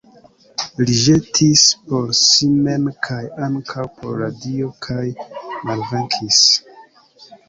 Li ĵetis por si mem kaj ankaŭ por la dio kaj malvenkis.